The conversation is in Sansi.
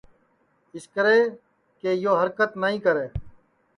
اِسکرے کہ یو ہرکت نائی کرے